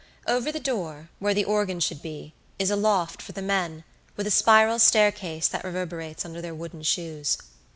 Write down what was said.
Over the door, where the organ should be, is a loft for the men, with a spiral staircase that reverberates under their wooden shoes.